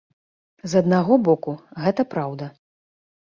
З аднаго боку, гэта праўда.